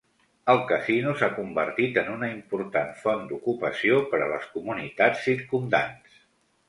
El casino s'ha convertit en una important font d'ocupació per a les comunitats circumdants.